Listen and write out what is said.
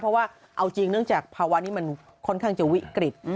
เพราะว่าเอาจริงเนื่องจากภาวะนี้มันค่อนข้างจะวิกฤต